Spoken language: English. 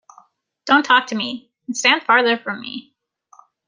Don't talk to me, and stand farther from me!